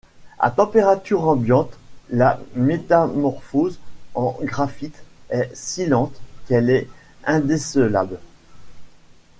À température ambiante, la métamorphose en graphite est si lente qu'elle est indécelable.